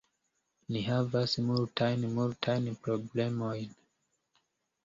Ni havas multajn, multajn problemojn.